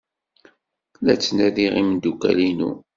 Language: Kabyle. La ttnadiɣ imeddukal-inu.